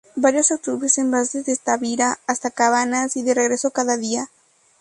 Varios autobuses van desde Tavira hasta Cabanas y de regreso cada día.